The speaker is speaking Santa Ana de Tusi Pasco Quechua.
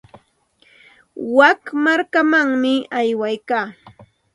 Wik markamanmi aywaykaa.